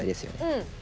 うん。